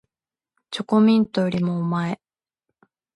チョコミントよりもおまえ